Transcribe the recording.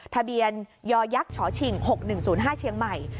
ทะเบียนยักษ์ฉิง๖๑๐๕เชียงใหม่